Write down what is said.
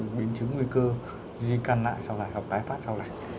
cái biến chứng nguy cơ di căn lại sau này hoặc tái phát sau này